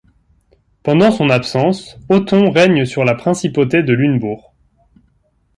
Pendant son absence, Othon règne sur la principauté de Lunebourg.